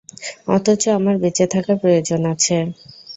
অথচ আমার বেঁচে থাকার প্রয়োজন আছে।